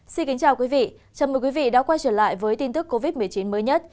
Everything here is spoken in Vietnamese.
xin kính chào quý vị chào mừng quý vị đã quay trở lại với tin tức covid một mươi chín mới nhất